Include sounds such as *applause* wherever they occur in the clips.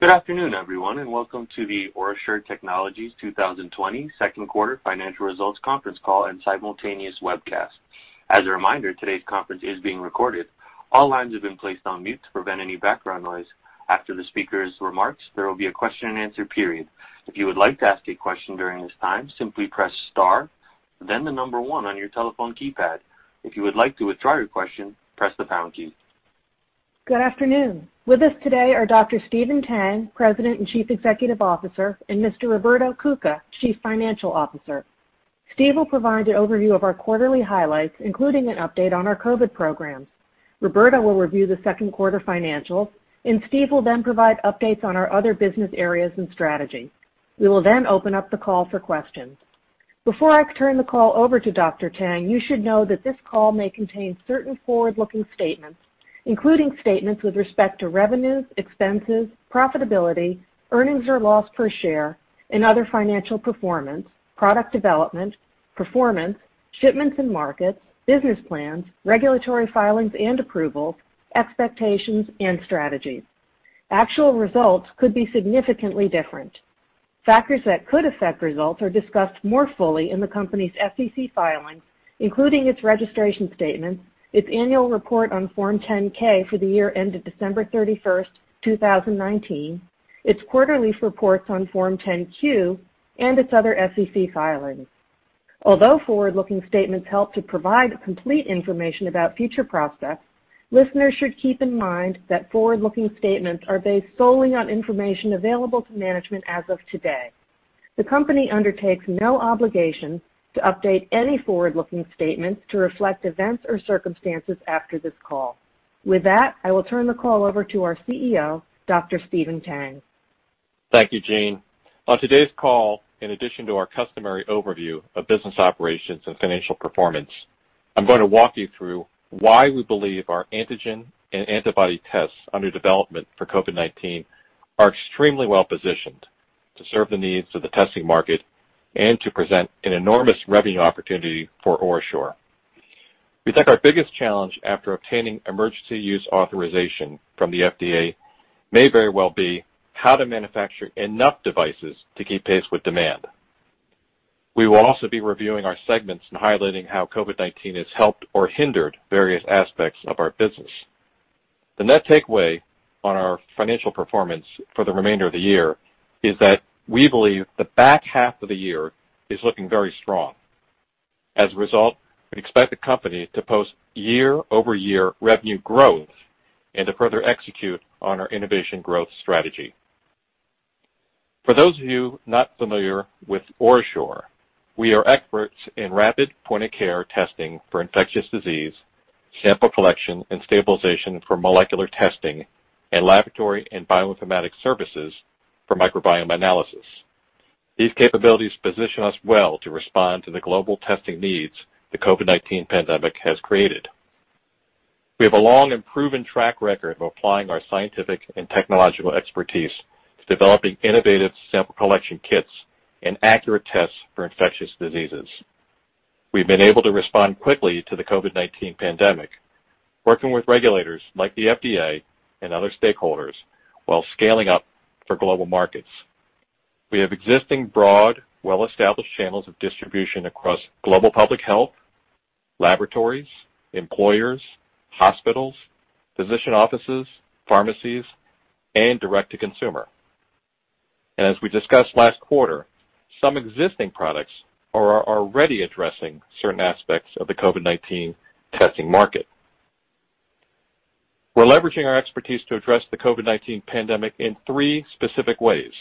Good afternoon, everyone, welcome to the OraSure Technologies 2020 second quarter financial results conference call and simultaneous webcast. As a reminder, today's conference is being recorded. All lines have been placed on mute to prevent any background noise. After the speakers' remarks, there will be a question and answer period. If you would like to ask a question during this time, simply press star, then the number one on your telephone keypad. If you would like to withdraw your question, press the pound key. Good afternoon. With us today are Dr. Stephen Tang, President and Chief Executive Officer, and Mr. Roberto Cuca, Chief Financial Officer. Steve will provide an overview of our quarterly highlights, including an update on our COVID programs. Roberto will review the second quarter financials, and Steve will then provide updates on our other business areas and strategy. We will then open up the call for questions. Before I turn the call over to Dr. Tang, you should know that this call may contain certain forward-looking statements, including statements with respect to revenues, expenses, profitability, earnings or loss per share, and other financial performance, product development, performance, shipments and markets, business plans, regulatory filings and approvals, expectations, and strategies. Actual results could be significantly different. Factors that could affect results are discussed more fully in the company's SEC filings, including its registration statements, its annual report on Form 10-K for the year ended December 31st, 2019, its quarterly reports on Form 10-Q, and its other SEC filings. Although forward-looking statements help to provide complete information about future prospects, listeners should keep in mind that forward-looking statements are based solely on information available to management as of today. The company undertakes no obligation to update any forward-looking statements to reflect events or circumstances after this call. With that, I will turn the call over to our CEO, Dr. Stephen Tang. Thank you, Jeanne. On today's call, in addition to our customary overview of business operations and financial performance, I'm going to walk you through why we believe our antigen and antibody tests under development for COVID-19 are extremely well-positioned to serve the needs of the testing market and to present an enormous revenue opportunity for OraSure. We think our biggest challenge after obtaining emergency use authorization from the FDA may very well be how to manufacture enough devices to keep pace with demand. We will also be reviewing our segments and highlighting how COVID-19 has helped or hindered various aspects of our business. The net takeaway on our financial performance for the remainder of the year is that we believe the back half of the year is looking very strong. As a result, we expect the company to post year-over-year revenue growth and to further execute on our innovation growth strategy. For those of you not familiar with OraSure, we are experts in rapid point-of-care testing for infectious disease, sample collection and stabilization for molecular testing, and laboratory and bioinformatic services for microbiome analysis. These capabilities position us well to respond to the global testing needs the COVID-19 pandemic has created. We have a long and proven track record of applying our scientific and technological expertise to developing innovative sample collection kits and accurate tests for infectious diseases. We've been able to respond quickly to the COVID-19 pandemic, working with regulators like the FDA and other stakeholders while scaling up for global markets. We have existing broad, well-established channels of distribution across global public health, laboratories, employers, hospitals, physician offices, pharmacies, and direct-to-consumer. As we discussed last quarter, some existing products are already addressing certain aspects of the COVID-19 testing market. We're leveraging our expertise to address the COVID-19 pandemic in three specific ways.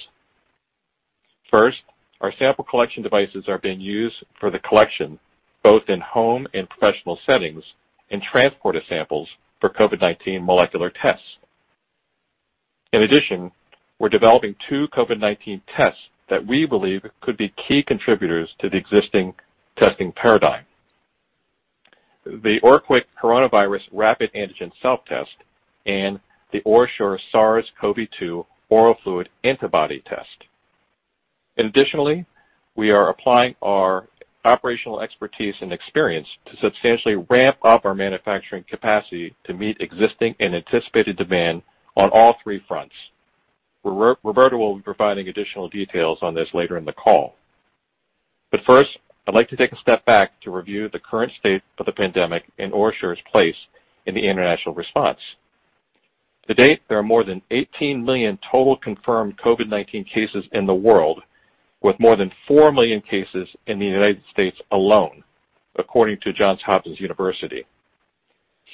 First, our sample collection devices are being used for the collection, both in home and professional settings, and transport of samples for COVID-19 molecular tests. In addition, we're developing two COVID-19 tests that we believe could be key contributors to the existing testing paradigm, the OraQuick Coronavirus Rapid Antigen Self Test and the OraSure SARS-CoV-2 Antibody ELISA. Additionally, we are applying our operational expertise and experience to substantially ramp up our manufacturing capacity to meet existing and anticipated demand on all three fronts. Roberto will be providing additional details on this later in the call. First, I'd like to take a step back to review the current state of the pandemic and OraSure's place in the international response. To date, there are more than 18 million total confirmed COVID-19 cases in the world, with more than 4 million cases in the United States alone, according to Johns Hopkins University.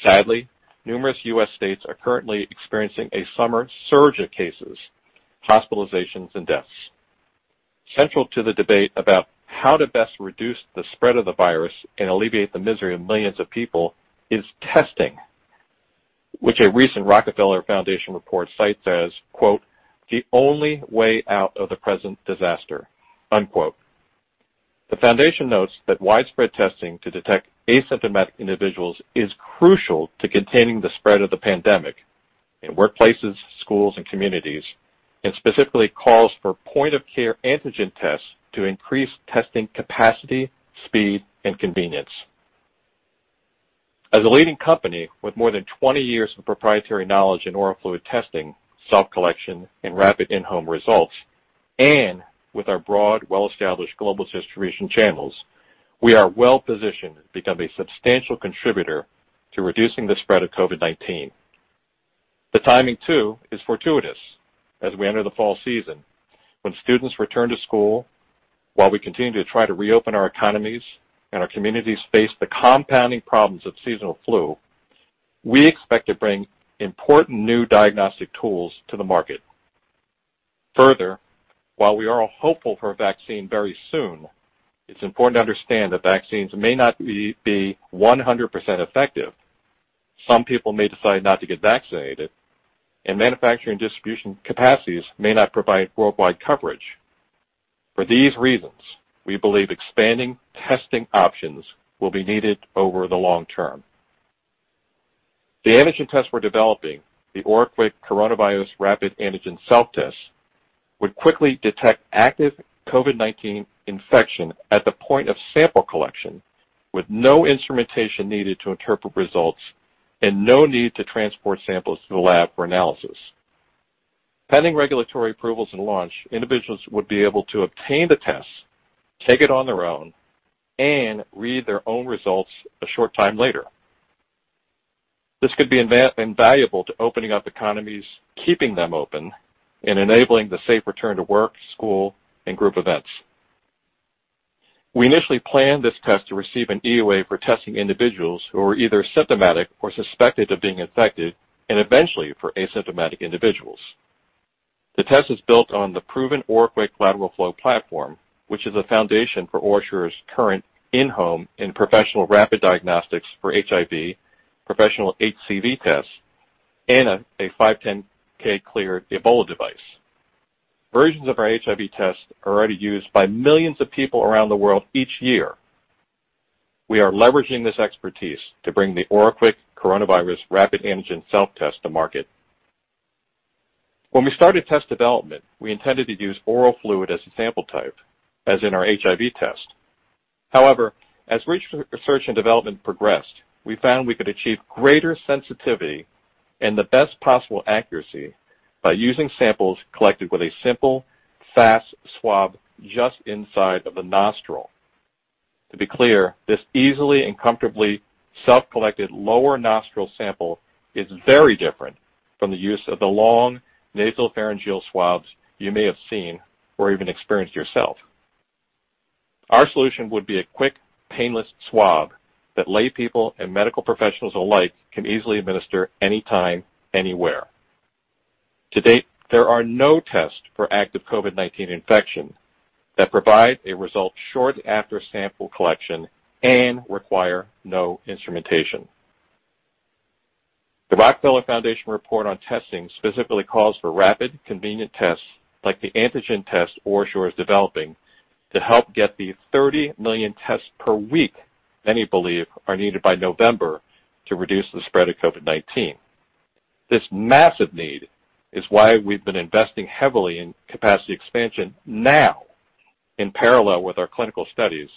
Sadly, numerous U.S. states are currently experiencing a summer surge of cases, hospitalizations, and deaths. Central to the debate about how to best reduce the spread of the virus and alleviate the misery of millions of people is testing, which a recent Rockefeller Foundation report cites as, quote, "the only way out of the present disaster." Unquote. The foundation notes that widespread testing to detect asymptomatic individuals is crucial to containing the spread of the pandemic in workplaces, schools, and communities, and specifically calls for point-of-care antigen tests to increase testing capacity, speed, and convenience. As a leading company with more than 20 years of proprietary knowledge in oral fluid testing, self-collection, and rapid in-home results, and with our broad, well-established global distribution channels, we are well-positioned to become a substantial contributor to reducing the spread of COVID-19. The timing, too, is fortuitous. As we enter the fall season, when students return to school, while we continue to try to reopen our economies and our communities face the compounding problems of seasonal flu, we expect to bring important new diagnostic tools to the market. Further, while we are hopeful for a vaccine very soon, it's important to understand that vaccines may not be 100% effective. Some people may decide not to get vaccinated, and manufacturing distribution capacities may not provide worldwide coverage. For these reasons, we believe expanding testing options will be needed over the long term. The antigen test we're developing, the OraQuick Coronavirus Rapid Antigen Self-Test, would quickly detect active COVID-19 infection at the point of sample collection with no instrumentation needed to interpret results and no need to transport samples to a lab for analysis. Pending regulatory approvals and launch, individuals would be able to obtain the test, take it on their own, and read their own results a short time later. This could be invaluable to opening up economies, keeping them open, and enabling the safe return to work, school, and group events. We initially planned this test to receive an EUA for testing individuals who are either symptomatic or suspected of being infected, and eventually, for asymptomatic individuals. The test is built on the proven OraQuick lateral flow platform, which is a foundation for OraSure's current in-home and professional rapid diagnostics for HIV, professional HCV tests, and a 510(k) cleared Ebola device. Versions of our HIV test are already used by millions of people around the world each year. We are leveraging this expertise to bring the OraQuick Coronavirus Rapid Antigen Self Test to market. When we started test development, we intended to use oral fluid as a sample type, as in our HIV test. However, as research and development progressed, we found we could achieve greater sensitivity and the best possible accuracy by using samples collected with a simple, fast swab just inside of the nostril. To be clear, this easily and comfortably self-collected lower nostril sample is very different from the use of the long nasopharyngeal swabs you may have seen or even experienced yourself. Our solution would be a quick, painless swab that laypeople and medical professionals alike can easily administer anytime, anywhere. To date, there are no tests for active COVID-19 infection that provide a result short after sample collection and require no instrumentation. The Rockefeller Foundation report on testing specifically calls for rapid, convenient tests, like the antigen test OraSure is developing, to help get the 30 million tests per week many believe are needed by November to reduce the spread of COVID-19. This massive need is why we've been investing heavily in capacity expansion now in parallel with our clinical studies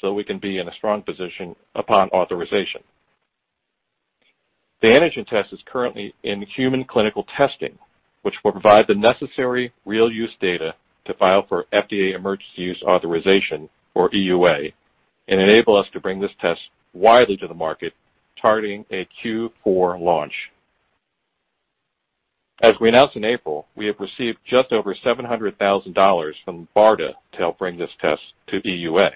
so we can be in a strong position upon authorization. The antigen test is currently in human clinical testing, which will provide the necessary real use data to file for FDA Emergency Use Authorization, or EUA, and enable us to bring this test widely to the market, targeting a Q4 launch. As we announced in April, we have received just over $700,000 from BARDA to help bring this test to EUA.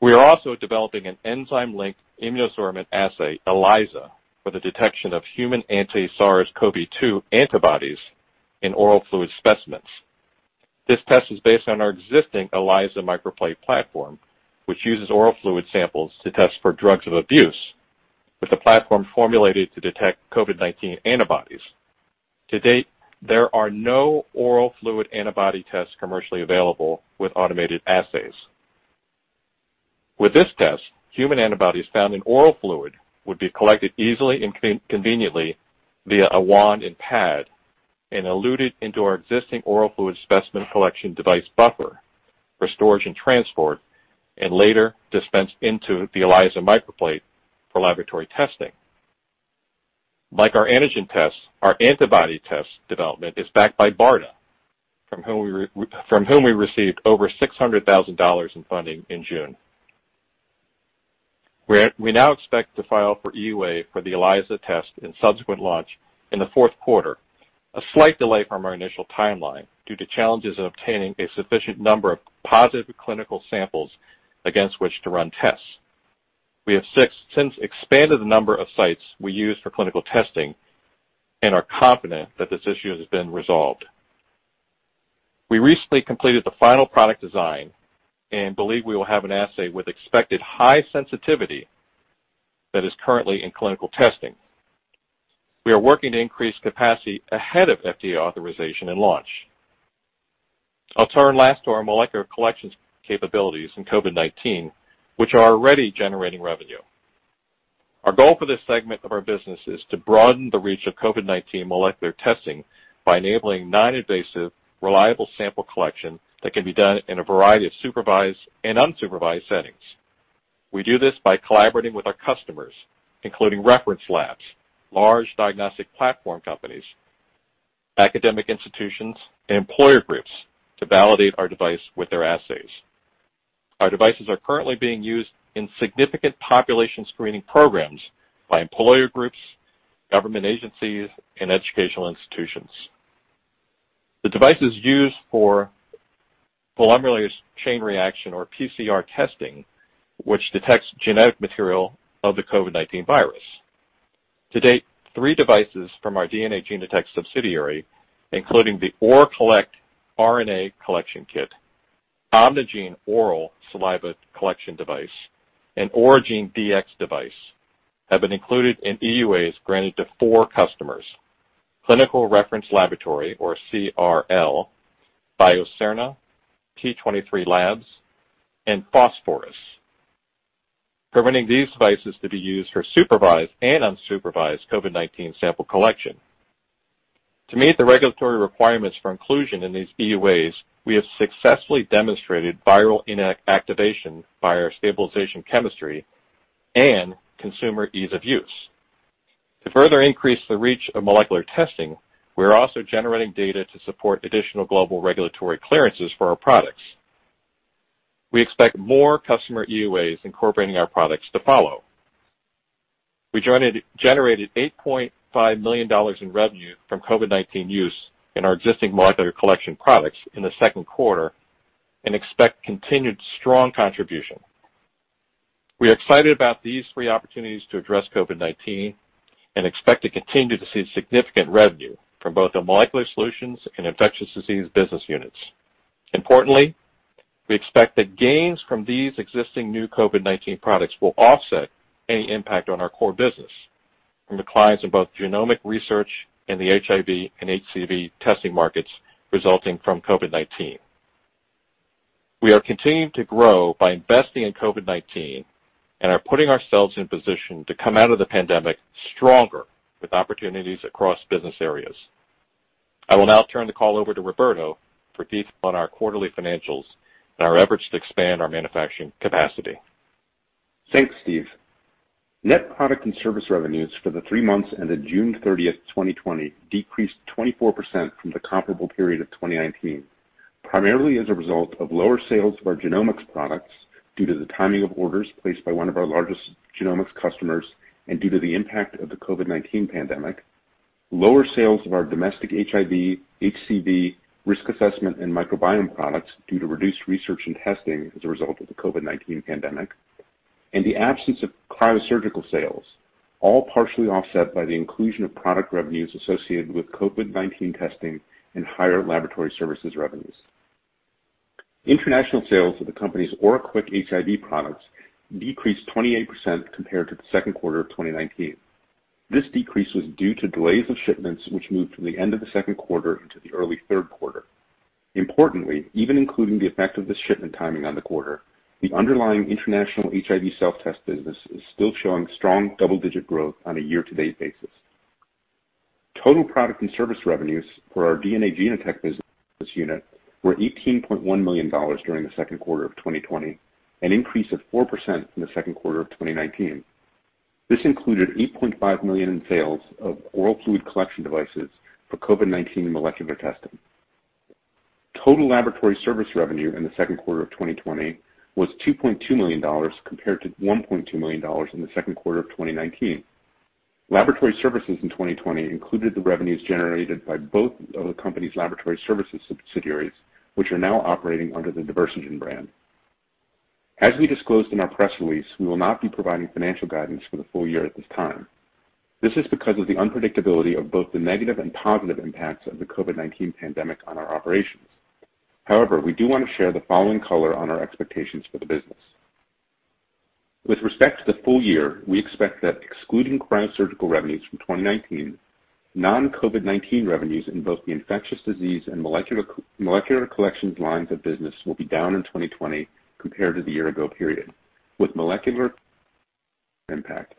We are also developing an enzyme-linked immunosorbent assay, ELISA, for the detection of human anti-SARS-CoV-2 antibodies in oral fluid specimens. This test is based on our existing ELISA microplate platform, which uses oral fluid samples to test for drugs of abuse, with the platform formulated to detect COVID-19 antibodies. To date, there are no oral fluid antibody tests commercially available with automated assays. With this test, human antibodies found in oral fluid would be collected easily and conveniently via a wand and pad and eluted into our existing oral fluid specimen collection device buffer for storage and transport, and later dispensed into the ELISA microplate for laboratory testing. Like our antigen tests, our antibody test development is backed by BARDA, from whom we received over $600,000 in funding in June. We now expect to file for EUA for the ELISA test and subsequent launch in the fourth quarter, a slight delay from our initial timeline due to challenges in obtaining a sufficient number of positive clinical samples against which to run tests. We have since expanded the number of sites we use for clinical testing and are confident that this issue has been resolved. We recently completed the final product design and believe we will have an assay with expected high sensitivity that is currently in clinical testing. We are working to increase capacity ahead of FDA authorization and launch. I'll turn last to our molecular collections capabilities in COVID-19, which are already generating revenue. Our goal for this segment of our business is to broaden the reach of COVID-19 molecular testing by enabling non-invasive, reliable sample collection that can be done in a variety of supervised and unsupervised settings. We do this by collaborating with our customers, including reference labs, large diagnostic platform companies, academic institutions, and employer groups to validate our device with their assays. Our devices are currently being used in significant population screening programs by employer groups, government agencies, and educational institutions. The device is used for polymerase chain reaction, or PCR testing, which detects genetic material of the COVID-19 virus. To date, three devices from our DNA Genotek subsidiary, including the ORAcollect•RNA collection kit, OMNIgene-ORAL saliva collection device, and Oragene•Dx device, have been included in EUAs granted to four customers, Clinical Reference Laboratory, or CRL, Biocerna, P23 Labs, and Phosphorus, permitting these devices to be used for supervised and unsupervised COVID-19 sample collection. To meet the regulatory requirements for inclusion in these EUAs, we have successfully demonstrated viral inactivation by our stabilization chemistry and consumer ease of use. To further increase the reach of molecular testing, we're also generating data to support additional global regulatory clearances for our products. We expect more customer EUAs incorporating our products to follow. We generated $8.5 million in revenue from COVID-19 use in our existing molecular collection products in the second quarter and expect continued strong contribution. We are excited about these three opportunities to address COVID-19 and expect to continue to see significant revenue from both the molecular solutions and infectious disease business units. Importantly, we expect that gains from these existing new COVID-19 products will offset any impact on our core business from declines in both genomic research and the HIV and HCV testing markets resulting from COVID-19. We are continuing to grow by investing in COVID-19 and are putting ourselves in position to come out of the pandemic stronger with opportunities across business areas. I will now turn the call over to Roberto for details on our quarterly financials and our efforts to expand our manufacturing capacity. Thanks, Steve. Net product and service revenues for the three months ended June 30th, 2020 decreased 24% from the comparable period of 2019, primarily as a result of lower sales of our genomics products due to the timing of orders placed by one of our largest genomics customers and due to the impact of the COVID-19 pandemic, lower sales of our domestic HIV, HCV risk assessment and microbiome products due to reduced research and testing as a result of the COVID-19 pandemic, and the absence of cryosurgical sales, all partially offset by the inclusion of product revenues associated with COVID-19 testing and higher laboratory services revenues. International sales of the company's OraQuick HIV products decreased 28% compared to the second quarter of 2019. This decrease was due to delays of shipments which moved from the end of the second quarter into the early third quarter. Importantly, even including the effect of the shipment timing on the quarter, the underlying international HIV self-test business is still showing strong double-digit growth on a year-to-date basis. Total product and service revenues for our DNA Genotek business unit were $18.1 million during the second quarter of 2020, an increase of 4% from the second quarter of 2019. This included $8.5 million in sales of oral fluid collection devices for COVID-19 molecular testing. Total laboratory service revenue in the second quarter of 2020 was $2.2 million compared to $1.2 million in the second quarter of 2019. Laboratory services in 2020 included the revenues generated by both of the company's laboratory services subsidiaries, which are now operating under the Diversigen brand. As we disclosed in our press release, we will not be providing financial guidance for the full year at this time. This is because of the unpredictability of both the negative and positive impacts of the COVID-19 pandemic on our operations. We do want to share the following color on our expectations for the business. With respect to the full year, we expect that excluding cryosurgical revenues from 2019, non-COVID-19 revenues in both the infectious disease and molecular collections lines of business will be down in 2020 compared to the year-on-year period. *inaudible*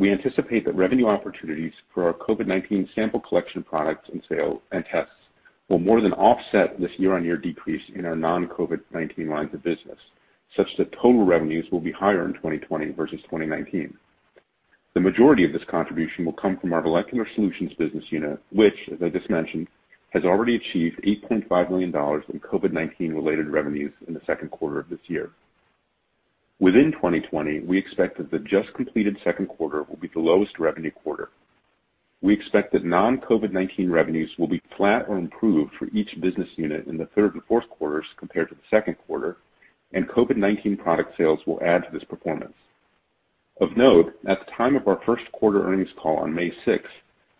We anticipate that revenue opportunities for our COVID-19 sample collection products and tests will more than offset this year-on-year decrease in our non-COVID-19 lines of business, such that total revenues will be higher in 2020 versus 2019. The majority of this contribution will come from our Molecular Solutions business unit, which, as I just mentioned, has already achieved $8.5 million in COVID-19 related revenues in the second quarter of this year. Within 2020, we expect that the just completed second quarter will be the lowest revenue quarter. We expect that non-COVID-19 revenues will be flat or improved for each business unit in the third and fourth quarters compared to the second quarter, and COVID-19 product sales will add to this performance. Of note, at the time of our first quarter earnings call on May 6th,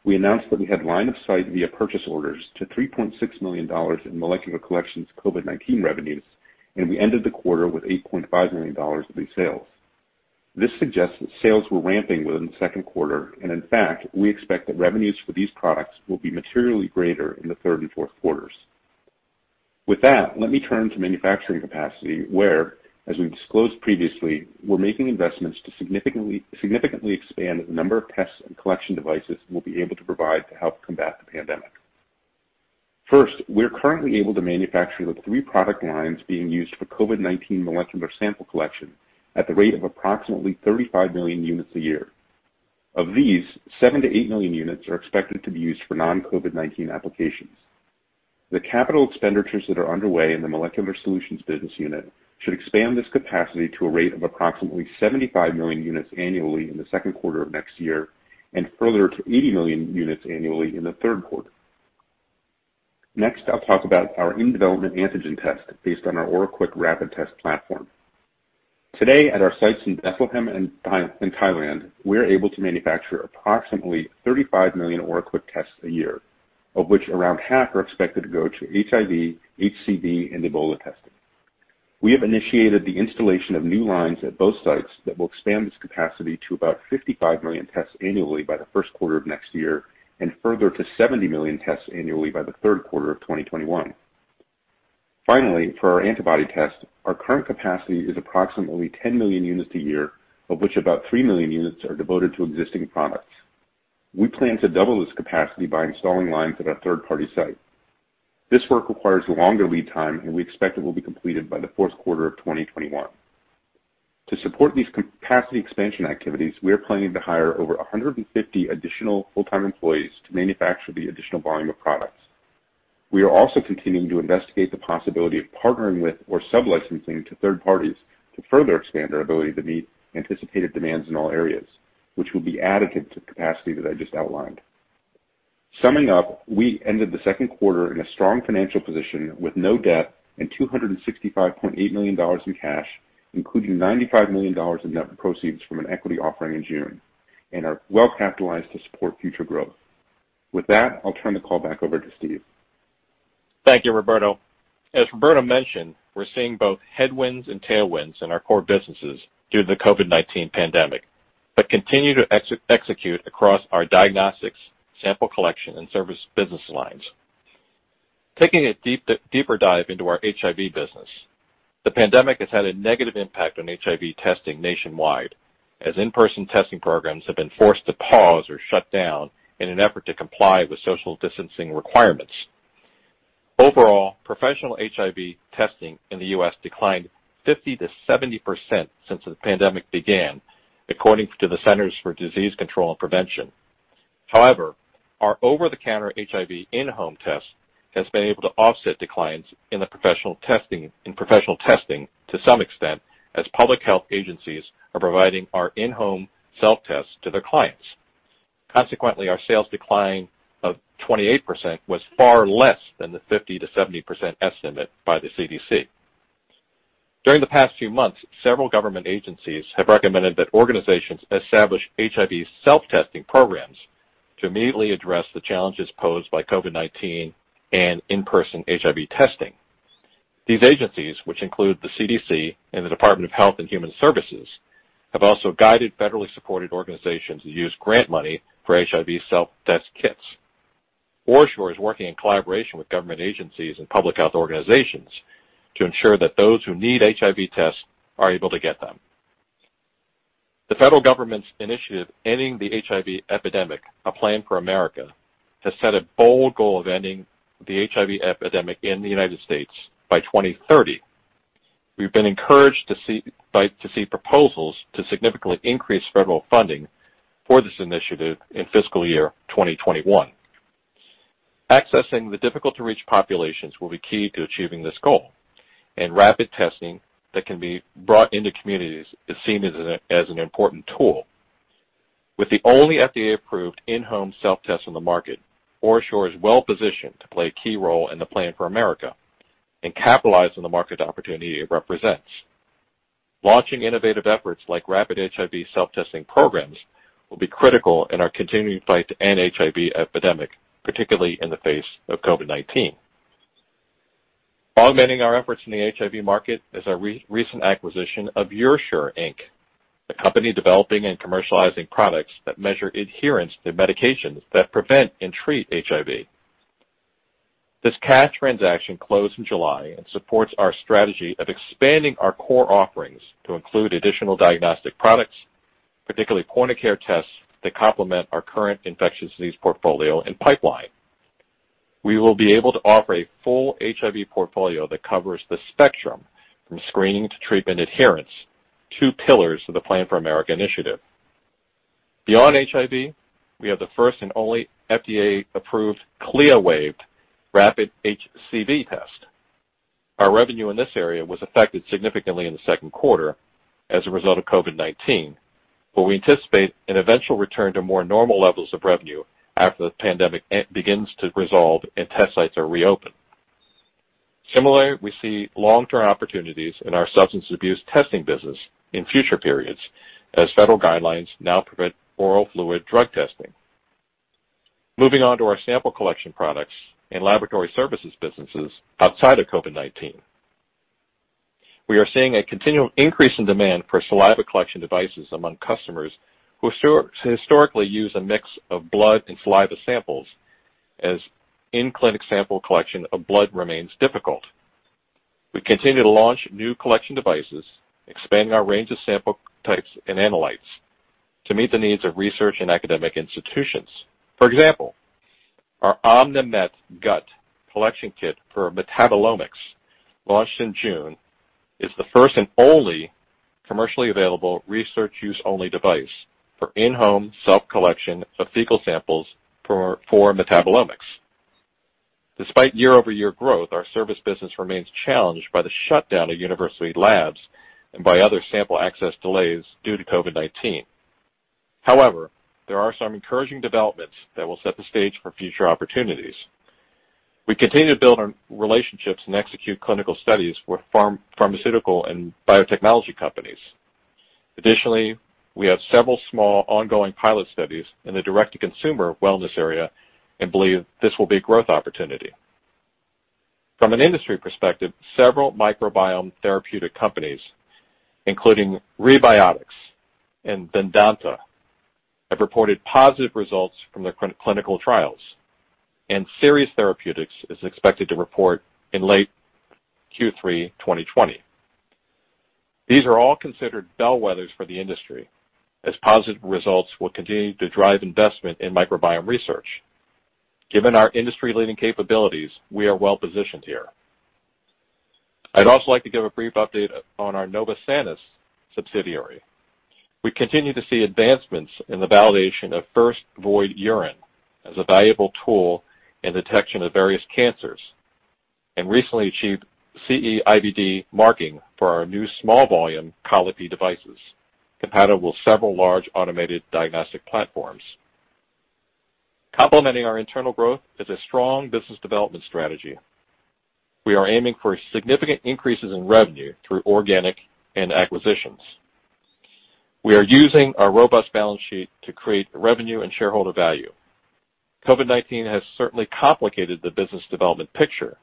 we announced that we had line of sight via purchase orders to $3.6 million in molecular collections COVID-19 revenues, and we ended the quarter with $8.5 million of these sales. This suggests that sales were ramping within the second quarter, and in fact, we expect that revenues for these products will be materially greater in the third and fourth quarters. With that, let me turn to manufacturing capacity, where, as we disclosed previously, we're making investments to significantly expand the number of tests and collection devices we'll be able to provide to help combat the pandemic. First, we're currently able to manufacture the three product lines being used for COVID-19 molecular sample collection at the rate of approximately 35 million units a year. Of these, 7 million-8 million units are expected to be used for non-COVID-19 applications. The capital expenditures that are underway in the molecular solutions business unit should expand this capacity to a rate of approximately 75 million units annually in the second quarter of next year, and further to 80 million units annually in the third quarter. I'll talk about our in-development antigen test based on our OraQuick rapid test platform. Today at our sites in Bethlehem and Thailand, we're able to manufacture approximately 35 million OraQuick tests a year, of which around half are expected to go to HIV, HCV, and Ebola testing. We have initiated the installation of new lines at both sites that will expand this capacity to about 55 million tests annually by the first quarter of next year, and further to 70 million tests annually by the third quarter of 2021. For our antibody test, our current capacity is approximately 10 million units a year, of which about three million units are devoted to existing products. We plan to double this capacity by installing lines at a third-party site. This work requires longer lead time, and we expect it will be completed by the fourth quarter of 2021. To support these capacity expansion activities, we are planning to hire over 150 additional full-time employees to manufacture the additional volume of products. We are also continuing to investigate the possibility of partnering with or sublicensing to third parties to further expand our ability to meet anticipated demands in all areas, which will be additive to the capacity that I just outlined. Summing up, we ended the second quarter in a strong financial position with no debt and $265.8 million in cash, including $95 million in net proceeds from an equity offering in June, and are well capitalized to support future growth. With that, I'll turn the call back over to Steve. Thank you, Roberto. As Roberto mentioned, we're seeing both headwinds and tailwinds in our core businesses due to the COVID-19 pandemic, but continue to execute across our diagnostics, sample collection, and service business lines. Taking a deeper dive into our HIV business, the pandemic has had a negative impact on HIV testing nationwide, as in-person testing programs have been forced to pause or shut down in an effort to comply with social distancing requirements. Overall, professional HIV testing in the U.S. declined 50%-70% since the pandemic began, according to the Centers for Disease Control and Prevention. However, our over-the-counter HIV in-home test has been able to offset declines in professional testing to some extent, as public health agencies are providing our in-home self-tests to their clients. Consequently, our sales decline of 28% was far less than the 50%-70% estimate by the CDC. During the past few months, several government agencies have recommended that organizations establish HIV self-testing programs to immediately address the challenges posed by COVID-19 and in-person HIV testing. These agencies, which include the CDC and the Department of Health and Human Services, have also guided federally supported organizations to use grant money for HIV self-test kits. OraSure is working in collaboration with government agencies and public health organizations to ensure that those who need HIV tests are able to get them. The federal government's initiative, Ending the HIV Epidemic: A Plan for America, has set a bold goal of ending the HIV epidemic in the United States by 2030. We've been encouraged to see proposals to significantly increase federal funding for this initiative in fiscal year 2021. Accessing the difficult-to-reach populations will be key to achieving this goal, and rapid testing that can be brought into communities is seen as an important tool. With the only FDA-approved in-home self-test on the market, OraSure is well positioned to play a key role in the Plan for America and capitalize on the market opportunity it represents. Launching innovative efforts like rapid HIV self-testing programs will be critical in our continuing fight to end HIV epidemic, particularly in the face of COVID-19. Augmenting our efforts in the HIV market is our recent acquisition of UrSure, Inc., a company developing and commercializing products that measure adherence to medications that prevent and treat HIV. This cash transaction closed in July and supports our strategy of expanding our core offerings to include additional diagnostic products, particularly point-of-care tests that complement our current infectious disease portfolio and pipeline. We will be able to offer a full HIV portfolio that covers the spectrum from screening to treatment adherence, two pillars of the Plan for America initiative. Beyond HIV, we have the first and only FDA-approved, CLIA-waived rapid HCV test. Our revenue in this area was affected significantly in the second quarter as a result of COVID-19. We anticipate an eventual return to more normal levels of revenue after the pandemic begins to resolve and test sites are reopened. Similarly, we see long-term opportunities in our substance abuse testing business in future periods as federal guidelines now permit oral fluid drug testing. Moving on to our sample collection products and laboratory services businesses outside of COVID-19. We are seeing a continual increase in demand for saliva collection devices among customers who historically use a mix of blood and saliva samples, as in-clinic sample collection of blood remains difficult. We continue to launch new collection devices, expanding our range of sample types and analytes to meet the needs of research and academic institutions. For example, our OMNImet•GUT collection kit for metabolomics, launched in June, is the first and only commercially available research use only device for in-home self-collection of fecal samples for metabolomics. Despite year-over-year growth, our service business remains challenged by the shutdown of university labs and by other sample access delays due to COVID-19. There are some encouraging developments that will set the stage for future opportunities. We continue to build on relationships and execute clinical studies with pharmaceutical and biotechnology companies. We have several small ongoing pilot studies in the direct-to-consumer wellness area and believe this will be a growth opportunity. From an industry perspective, several microbiome therapeutic companies, including Rebiotix and Vedanta Biosciences, have reported positive results from their clinical trials, and Seres Therapeutics is expected to report in late Q3 2020. These are all considered bellwethers for the industry, as positive results will continue to drive investment in microbiome research. Given our industry-leading capabilities, we are well positioned here. I'd also like to give a brief update on our Novosanis subsidiary. We continue to see advancements in the validation of first void urine as a valuable tool in detection of various cancers, and recently achieved CE-IVD marking for our new small volume Colli-Pee devices, compatible with several large automated diagnostic platforms. Complementing our internal growth is a strong business development strategy. We are aiming for significant increases in revenue through organic and acquisitions. We are using our robust balance sheet to create revenue and shareholder value. COVID-19 has certainly complicated the business development picture,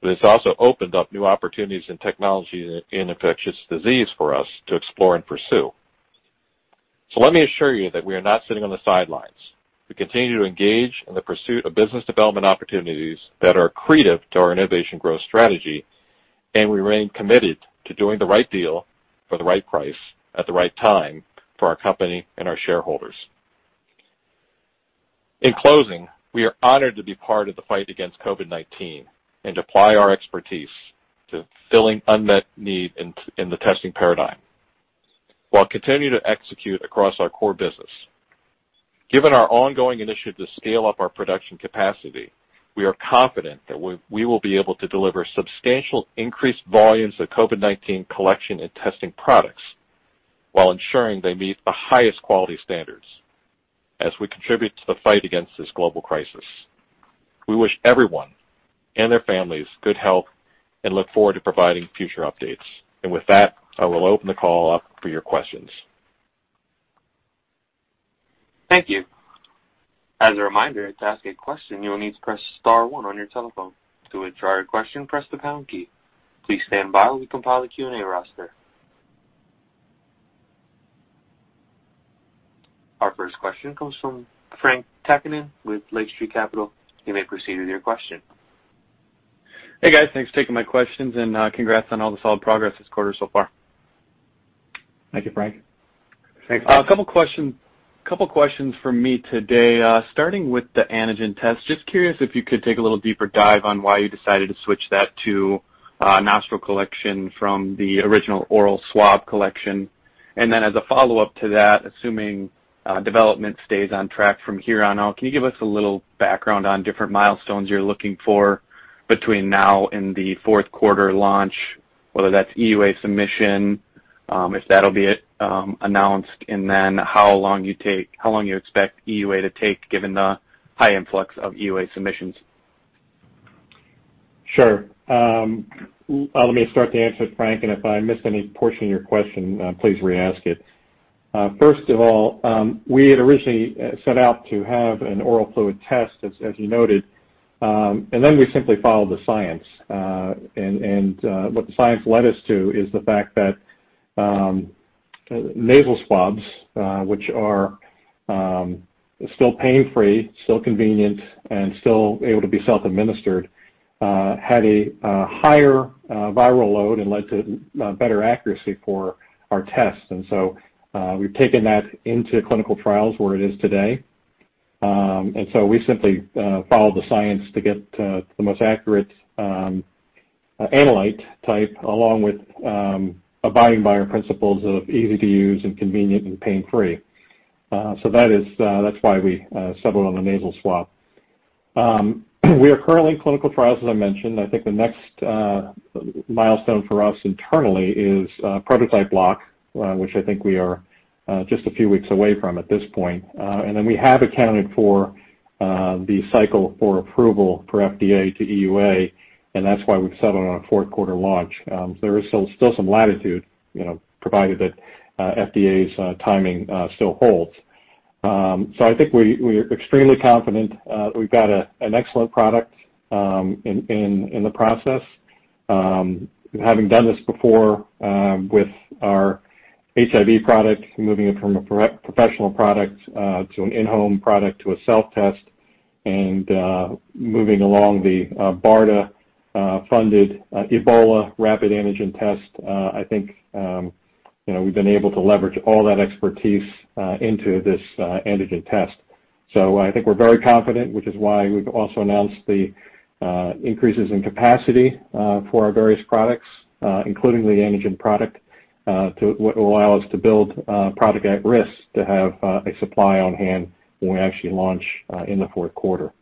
but it's also opened up new opportunities in technology in infectious disease for us to explore and pursue. Let me assure you that we are not sitting on the sidelines. We continue to engage in the pursuit of business development opportunities that are accretive to our innovation growth strategy, and we remain committed to doing the right deal for the right price at the right time for our company and our shareholders. In closing, we are honored to be part of the fight against COVID-19 and apply our expertise to filling unmet need in the testing paradigm, while continuing to execute across our core business. Given our ongoing initiative to scale up our production capacity, we are confident that we will be able to deliver substantial increased volumes of COVID-19 collection and testing products while ensuring they meet the highest quality standards as we contribute to the fight against this global crisis. We wish everyone and their families good health and look forward to providing future updates. With that, I will open the call up for your questions. Thank you. As a reminder, to ask a question, you will need to press star one on your telephone. To withdraw your question, press the pound key. Please stand by while we compile the Q&A roster. Our first question comes from Frank Takkinen with Lake Street Capital. You may proceed with your question. Hey, guys. Thanks for taking my questions, and congrats on all the solid progress this quarter so far. Thank you, Frank. Thanks, Frank. A couple questions from me today. Starting with the antigen test, just curious if you could take a little deeper dive on why you decided to switch that to nostril collection from the original oral swab collection. As a follow-up to that, assuming development stays on track from here on out, can you give us a little background on different milestones you're looking for between now and the fourth quarter launch, whether that's EUA submission, if that'll be announced, and then how long you expect EUA to take given the high influx of EUA submissions? Sure. Let me start the answer, Frank, and if I missed any portion of your question, please re-ask it. First of all, we had originally set out to have an oral fluid test, as you noted, and then we simply followed the science. What the science led us to is the fact that nasal swabs, which are still pain-free, still convenient, and still able to be self-administered, had a higher viral load and led to better accuracy for our tests. We've taken that into clinical trials where it is today. We simply followed the science to get the most accurate analyte type, along with abiding by our principles of easy to use and convenient and pain-free. That's why we settled on the nasal swab. We are currently in clinical trials, as I mentioned. I think the next milestone for us internally is prototype block, which I think we are just a few weeks away from at this point. We have accounted for the cycle for approval for FDA to EUA, and that's why we've settled on a fourth quarter launch. There is still some latitude, provided that FDA's timing still holds. We're extremely confident that we've got an excellent product in the process. Having done this before with our HIV product, moving it from a professional product to an in-home product to a self-test, and moving along the BARDA-funded Ebola rapid antigen test, I think we've been able to leverage all that expertise into this antigen test. I think we're very confident, which is why we've also announced the increases in capacity for our various products, including the antigen product, to allow us to build product at risk to have a supply on hand when we actually launch in the fourth quarter.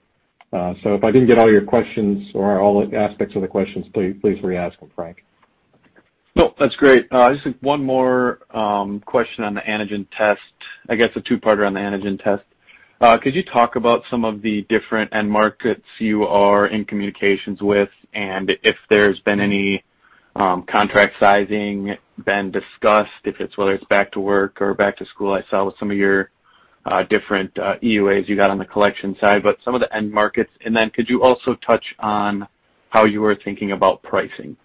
If I didn't get all your questions or all aspects of the questions, please re-ask them, Frank. No, that's great. I just think one more question on the antigen test, I guess a two-parter on the antigen test. Could you talk about some of the different end markets you are in communications with, and if there's been any contract sizing been discussed, whether it's back to work or back to school, I saw with some of your different EUAs you got on the collection side, but some of the end markets. Could you also touch on how you are thinking about pricing?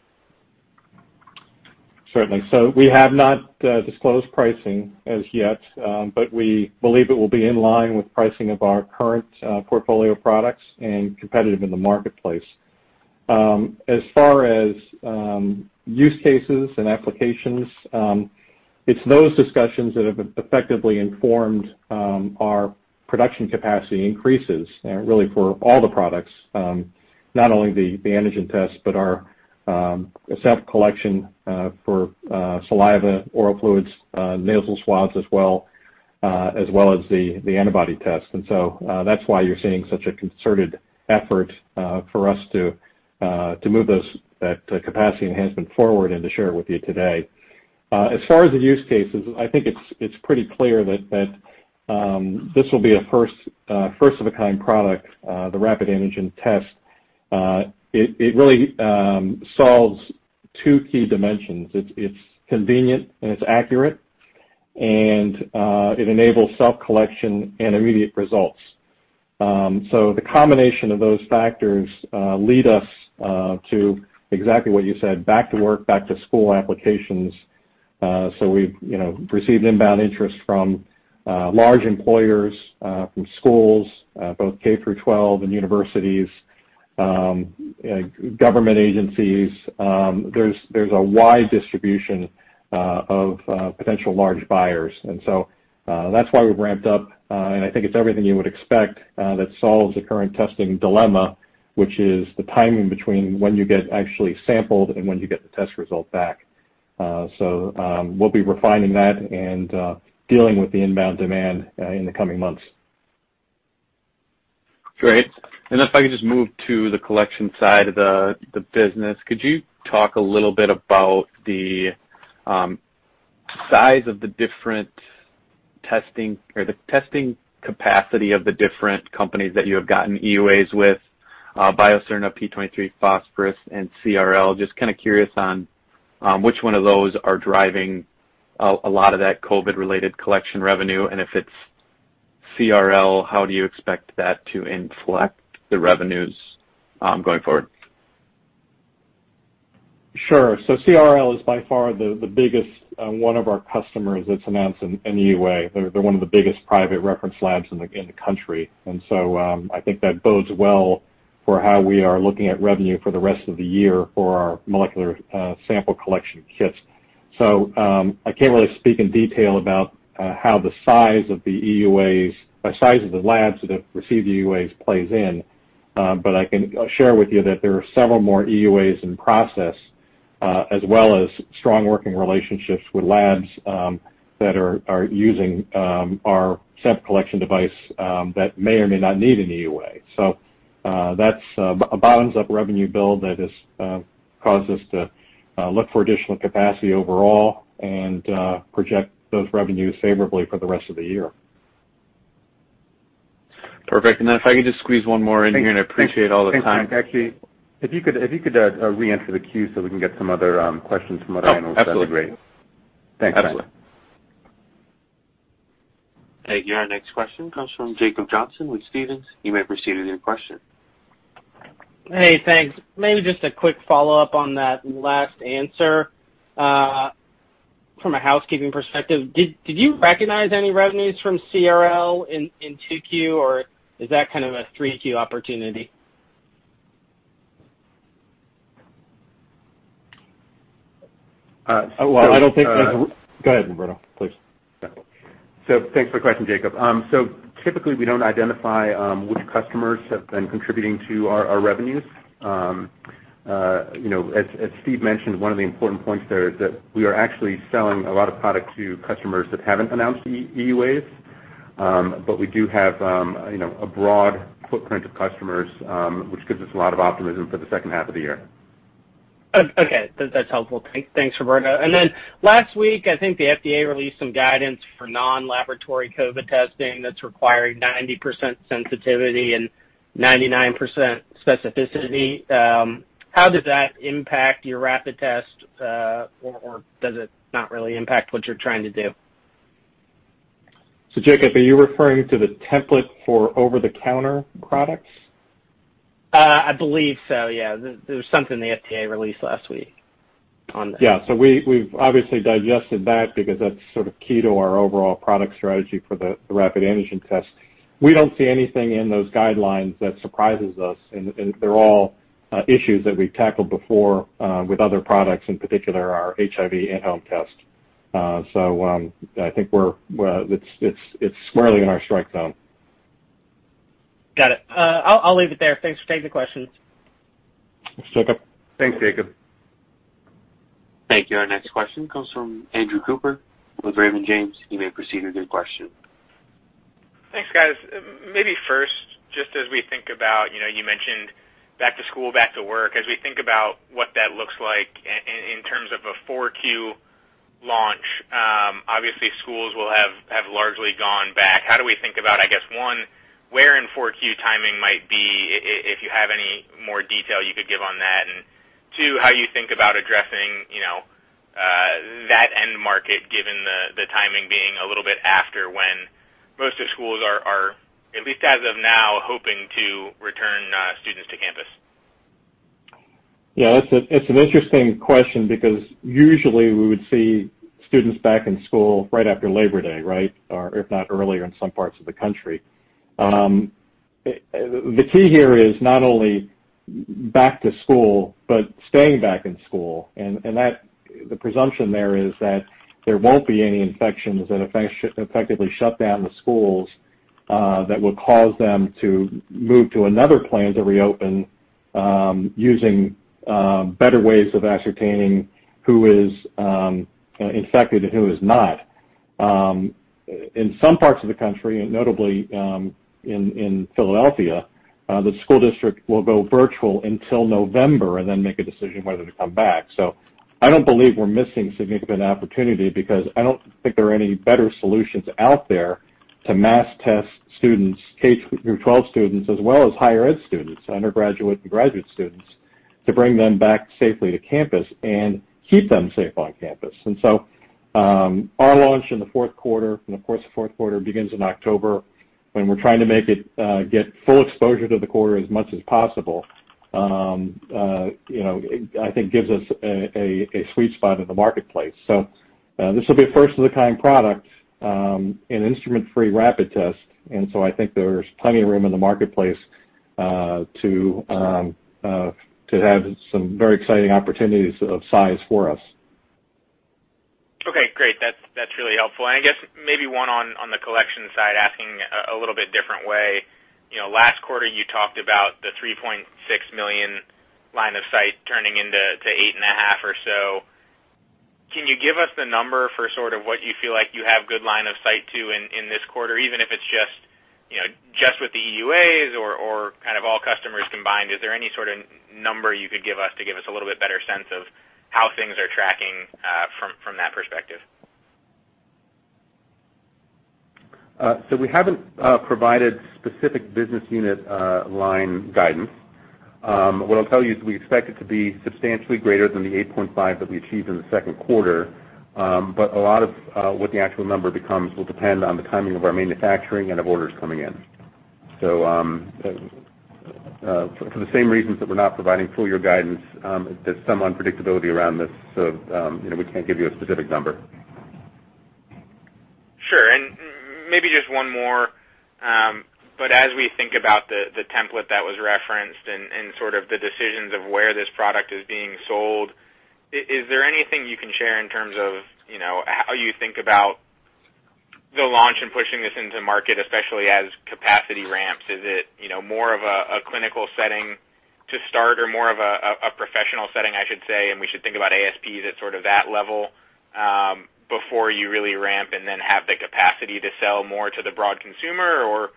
Certainly. We have not disclosed pricing as yet, but we believe it will be in line with pricing of our current portfolio of products and competitive in the marketplace. As far as use cases and applications, it's those discussions that have effectively informed our production capacity increases, really for all the products, not only the antigen test, but our self-collection for saliva, oral fluids, nasal swabs as well, as well as the antibody test. That's why you're seeing such a concerted effort for us to move that capacity enhancement forward and to share with you today. As far as the use cases, I think it's pretty clear that this will be a first-of-a-kind product, the rapid antigen test. It really solves two key dimensions. It's convenient and it's accurate, and it enables self-collection and immediate results. The combination of those factors lead us to exactly what you said, back to work, back to school applications. We've received inbound interest from large employers, from schools, both K-12 and universities, government agencies. There's a wide distribution of potential large buyers. That's why we've ramped up, and I think it's everything you would expect that solves the current testing dilemma, which is the timing between when you get actually sampled and when you get the test result back. We'll be refining that and dealing with the inbound demand in the coming months. Great. If I could just move to the collection side of the business, could you talk a little bit about the size of the different testing or the testing capacity of the different companies that you have gotten EUAs with, Biocerna, P23 Labs, Phosphorus, and CRL? Just kind of curious on which one of those are driving a lot of that COVID-related collection revenue, and if it's CRL, how do you expect that to inflect the revenues going forward? Sure. CRL is by far the biggest one of our customers that's announced an EUA. They're one of the biggest private reference labs in the country. I think that bodes well for how we are looking at revenue for the rest of the year for our molecular sample collection kits. I can't really speak in detail about how the size of the labs that have received EUAs plays in, but I can share with you that there are several more EUAs in process, as well as strong working relationships with labs that are using our sample collection device that may or may not need an EUA. That's a bottoms-up revenue build that has caused us to look for additional capacity overall and project those revenues favorably for the rest of the year. Perfect. If I could just squeeze one more in here, and I appreciate all the time. Thanks, Frank. Actually, if you could reenter the queue so we can get some other questions from other analysts, that'd be great. Oh, absolutely. Thanks, Frank. Thanks. Thank you. Our next question comes from Jacob Johnson with Stephens. You may proceed with your question. Hey, thanks. Maybe just a quick follow-up on that last answer. From a housekeeping perspective, did you recognize any revenues from CRL in 2Q, or is that kind of a 3Q opportunity? Well, I don't think-. So-. Go ahead, Roberto, please. Thanks for the question, Jacob. Typically, we don't identify which customers have been contributing to our revenues. As Steve mentioned, one of the important points there is that we are actually selling a lot of product to customers that haven't announced EUAs, but we do have a broad footprint of customers, which gives us a lot of optimism for the second half of the year. Okay. That's helpful. Thanks, Roberto. Last week, I think the FDA released some guidance for non-laboratory COVID testing that's requiring 90% sensitivity and 99% specificity. How does that impact your rapid test, or does it not really impact what you're trying to do? Jacob, are you referring to the template for over-the-counter products? I believe so, yeah. There was something the FDA released last week on that. Yeah. We've obviously digested that because that's sort of key to our overall product strategy for the rapid antigen test. We don't see anything in those guidelines that surprises us, and they're all issues that we've tackled before with other products, in particular, our HIV at-home test. I think it's squarely in our strike zone. Got it. I'll leave it there. Thanks for taking the question. Thanks, Jacob. Thanks, Jacob. Thank you. Our next question comes from Andrew Cooper with Raymond James. You may proceed with your question. Thanks, guys. Maybe first, just as we think about, you mentioned back to school, back to work, as we think about what that looks like in terms of a 4Q launch, obviously schools will have largely gone back. How do we think about, I guess one, where in 4Q timing might be, if you have any more detail you could give on that, and two, how you think about addressing that end market, given the timing being a little bit after when most of schools are, at least as of now, hoping to return students to campus? Yeah, it's an interesting question because usually we would see students back in school right after Labor Day, right. If not earlier in some parts of the country. The key here is not only back to school, but staying back in school, and the presumption there is that there won't be any infections that effectively shut down the schools, that will cause them to move to another plan to reopen, using better ways of ascertaining who is infected and who is not. In some parts of the country, notably in Philadelphia, the school district will go virtual until November and then make a decision whether to come back. I don't believe we're missing significant opportunity because I don't think there are any better solutions out there to mass test students, K-12 students, as well as higher ed students, undergraduate and graduate students, to bring them back safely to campus and keep them safe on campus. Our launch in the fourth quarter, and of course, the fourth quarter begins in October, when we're trying to make it get full exposure to the quarter as much as possible, I think gives us a sweet spot in the marketplace. This will be a first-of-its-kind product, an instrument-free rapid test, and so I think there's plenty of room in the marketplace to have some very exciting opportunities of size for us. Okay, great. That's really helpful. I guess maybe one on the collection side, asking a little bit different way. Last quarter, you talked about the $3.6 million line of sight turning into $8.5 million or so. Can you give us the number for sort of what you feel like you have good line of sight to in this quarter, even if it's just with the EUAs or kind of all customers combined? Is there any sort of number you could give us to give us a little bit better sense of how things are tracking from that perspective? We haven't provided specific business unit line guidance. What I'll tell you is we expect it to be substantially greater than the $8.5 million that we achieved in the second quarter. A lot of what the actual number becomes will depend on the timing of our manufacturing and of orders coming in. For the same reasons that we're not providing full-year guidance, there's some unpredictability around this, so we can't give you a specific number. Sure. Maybe just one more, but as we think about the template that was referenced and sort of the decisions of where this product is being sold, is there anything you can share in terms of how you think about the launch and pushing this into market, especially as capacity ramps? Is it more of a clinical setting to start or more of a professional setting, I should say, and we should think about ASPs at sort of that level, before you really ramp and then have the capacity to sell more to the broad consumer, or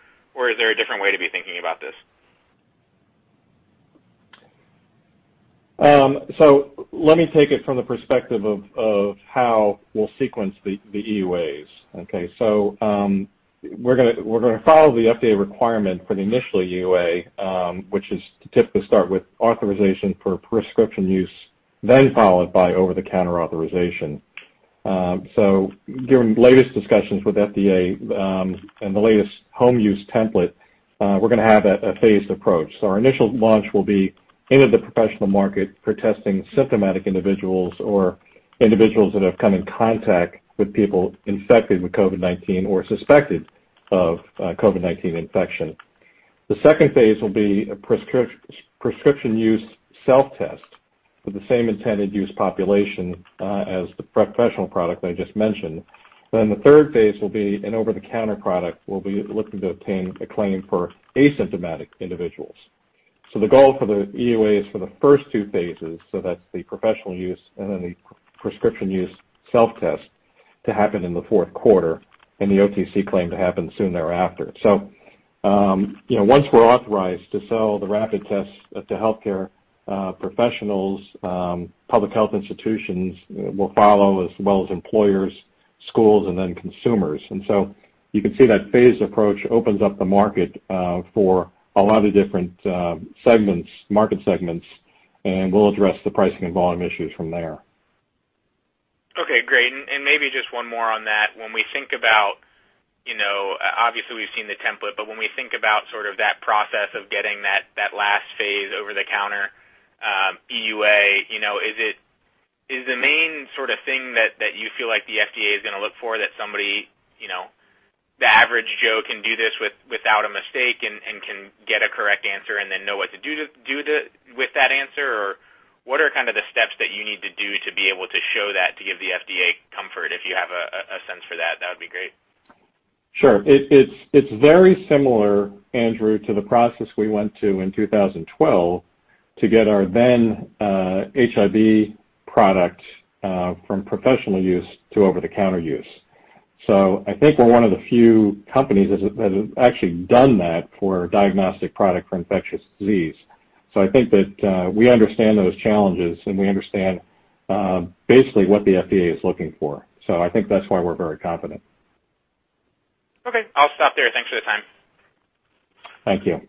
is there a different way to be thinking about this? Let me take it from the perspective of how we'll sequence the EUAs. We're going to follow the FDA requirement for the initial EUA, which is to typically start with authorization for prescription use, then followed by over-the-counter authorization. Given the latest discussions with FDA, and the latest home use template, we're going to have a phased approach. Our initial launch will be into the professional market for testing symptomatic individuals or individuals that have come in contact with people infected with COVID-19 or suspected of COVID-19 infection. The second phase will be a prescription use self-test for the same intended use population as the professional product that I just mentioned. The third phase will be an over-the-counter product. We'll be looking to obtain a claim for asymptomatic individuals. The goal for the EUAs for the first two phases, that's the professional use and then the prescription use self-test to happen in the fourth quarter, and the OTC claim to happen soon thereafter. Once we're authorized to sell the rapid tests to healthcare professionals, public health institutions will follow, as well as employers, schools, and then consumers. You can see that phased approach opens up the market for a lot of different market segments, and we'll address the pricing and volume issues from there. Okay, great. Maybe just one more on that. Obviously, we've seen the template, when we think about that process of getting that last phase over the counter, EUA, is the main thing that you feel like the FDA is going to look for that the average Joe can do this without a mistake and can get a correct answer and then know what to do with that answer? What are the steps that you need to do to be able to show that to give the FDA comfort, if you have a sense for that would be great. Sure. It's very similar, Andrew, to the process we went to in 2012 to get our then HIV product from professional use to over-the-counter use. I think we're one of the few companies that has actually done that for a diagnostic product for infectious disease. I think that we understand those challenges, and we understand basically what the FDA is looking for. I think that's why we're very confident. Okay. I'll stop there. Thanks for the time. Thank you.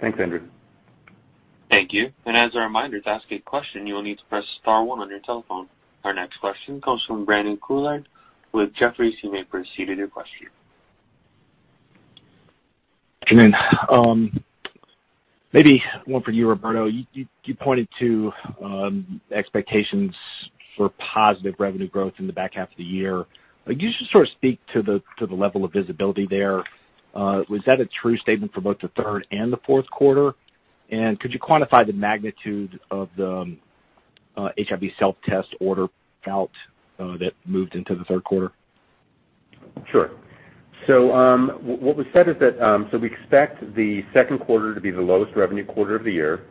Thanks, Andrew. Thank you. As a reminder, to ask a question, you will need to press star one on your telephone. Our next question comes from Brandon Couillard with Jefferies. You may proceed with your question. Good morning. Maybe one for you, Roberto. You pointed to expectations for positive revenue growth in the back half of the year. Could you just speak to the level of visibility there? Was that a true statement for both the third and the fourth quarter? Could you quantify the magnitude of the HIV Self-Test order count that moved into the third quarter? What we said is that we expect the second quarter to be the lowest revenue quarter of the year,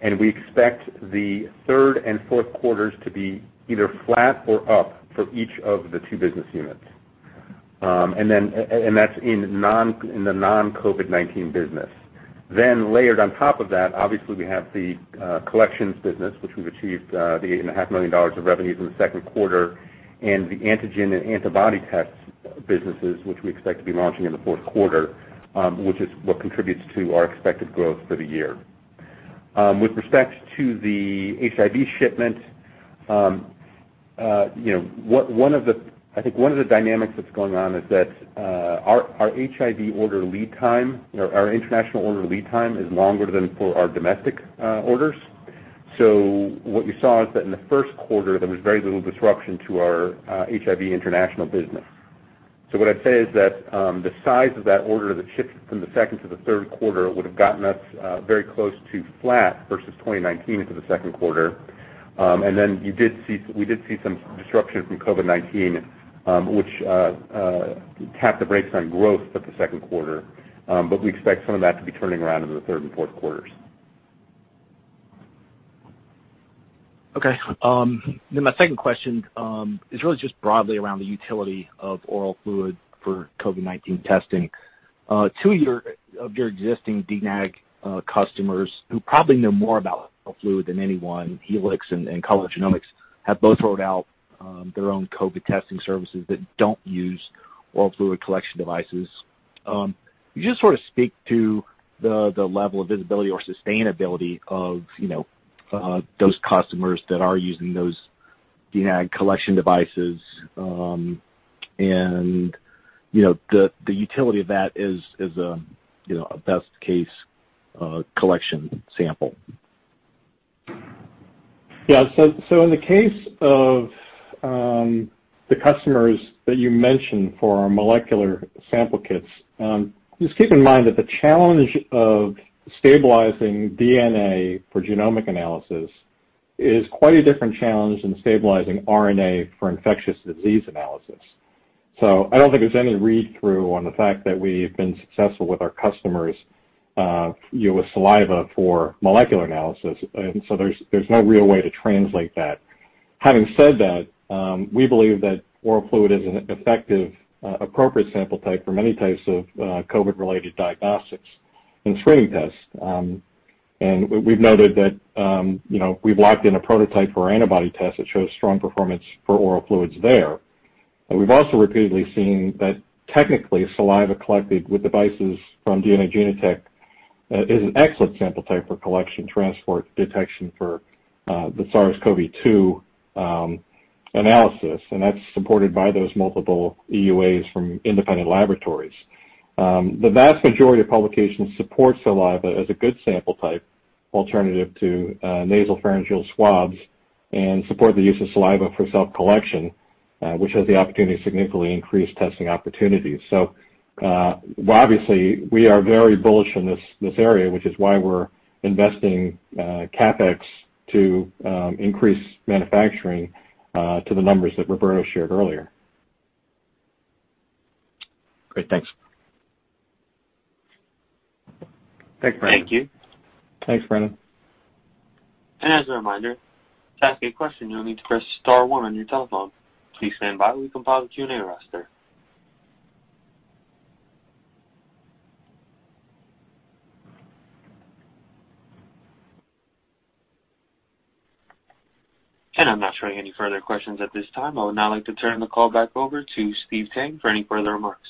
and we expect the third and fourth quarters to be either flat or up for each of the two business units. That's in the non-COVID-19 business. Layered on top of that, obviously we have the collections business, which we've achieved the $8.5 million of revenues in the second quarter, and the antigen and antibody test businesses, which we expect to be launching in the fourth quarter, which is what contributes to our expected growth for the year. With respect to the HIV shipment, I think one of the dynamics that's going on is that our HIV order lead time, our international order lead time, is longer than for our domestic orders. What you saw is that in the first quarter, there was very little disruption to our HIV international business. What I'd say is that the size of that order that shifted from the second to the third quarter would have gotten us very close to flat versus 2019 into the second quarter. We did see some disruptions from COVID-19 which tapped the brakes on growth for the second quarter. We expect some of that to be turning around in the third and fourth quarters. Okay. My second question is really just broadly around the utility of oral fluid for COVID-19 testing. Two of your existing DNA customers who probably know more about oral fluid than anyone, Helix and Color, have both rolled out their own COVID testing services that don't use oral fluid collection devices. Could you just speak to the level of visibility or sustainability of those customers that are using those DNA collection devices and the utility of that as a best case collection sample? Yeah. In the case of the customers that you mentioned for our molecular sample kits, just keep in mind that the challenge of stabilizing DNA for genomic analysis is quite a different challenge than stabilizing RNA for infectious disease analysis. I don't think there's any read-through on the fact that we've been successful with our customers with saliva for molecular analysis, and so there's no real way to translate that. Having said that, we believe that oral fluid is an effective, appropriate sample type for many types of COVID-related diagnostics and screening tests. We've noted that we've locked in a prototype for antibody tests that shows strong performance for oral fluids there, but we've also repeatedly seen that technically, saliva collected with devices from DNA Genotek is an excellent sample type for collection transport detection for the SARS-CoV-2 analysis, and that's supported by those multiple EUAs from independent laboratories. The vast majority of publications support saliva as a good sample type alternative to nasopharyngeal swabs and support the use of saliva for self-collection, which has the opportunity to significantly increase testing opportunities. Obviously, we are very bullish on this area, which is why we're investing CapEx to increase manufacturing to the numbers that Roberto shared earlier. Great. Thanks. Thanks, Brandon. Thank you. Thanks, Brandon. As a reminder, to ask a question, you'll need to press star one on your telephone. Please stand by while we compile the Q&A roster. I'm not showing any further questions at this time. I would now like to turn the call back over to Steve Tang for any further remarks.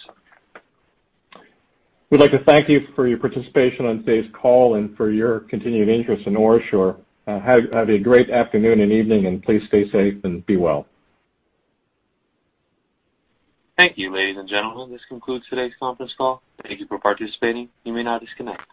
We'd like to thank you for your participation on today's call and for your continued interest in OraSure. Have a great afternoon and evening, and please stay safe and be well. Thank you, ladies and gentlemen. This concludes today's conference call. Thank you for participating. You may now disconnect.